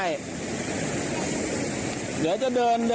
เดี๋ยวพวกกูภายจะเดินขาม